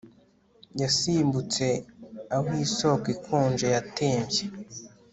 Yasimbutse aho isoko ikonje yatembye